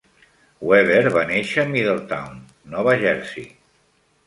Weber va néixer a Middletown, Nova Jersey.